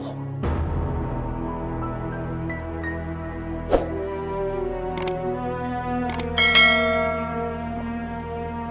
tapi memang darah itu tidak pernah bohong